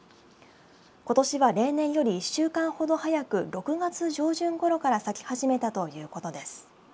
ことしは例年より１週間ほど早く６月上旬ごろから咲き始めたということです。